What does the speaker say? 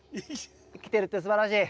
生きてるってすばらしい！